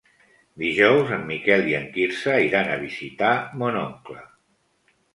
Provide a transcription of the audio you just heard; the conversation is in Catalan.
Dijous en Miquel i en Quirze iran a visitar mon oncle.